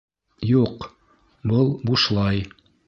Юҡ, был бушлай